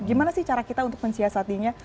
gimana sih cara kita untuk mensiasatinya